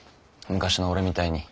昔の俺みたいに。